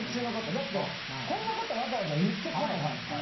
だってこんなことわざわざ言ってこないじゃないですか。